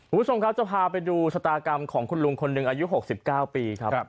คุณผู้ชมครับจะพาไปดูชะตากรรมของคุณลุงคนหนึ่งอายุ๖๙ปีครับ